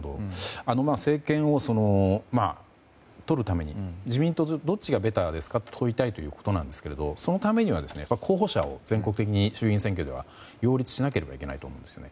政権をとるために自民党とどっちがベターですかと問いたいということなんですがそのためには候補者を全国的に衆院選挙では擁立しなければいけないと思うんですが。